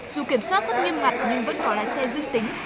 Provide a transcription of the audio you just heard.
dù kiểm soát rất nghiêm ngặt nhưng vẫn có lái xe dương tính